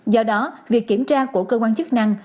do đó việc kiểm tra của cơ quan chức năng